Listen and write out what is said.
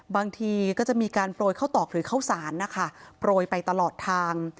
บางทีก็จะมีการโปรยข้าวตอกหรือข้าวสารนะคะโปรยไปตลอดทาง